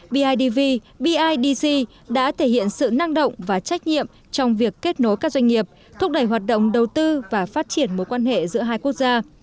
bidv bidc đã thể hiện sự năng động và trách nhiệm trong việc kết nối các doanh nghiệp thúc đẩy hoạt động đầu tư và phát triển mối quan hệ giữa hai quốc gia